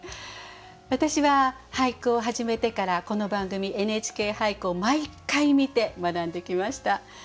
私は俳句を始めてからこの番組「ＮＨＫ俳句」を毎回見て学んできました。